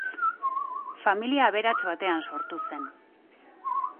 Familia aberats batean sortu zen.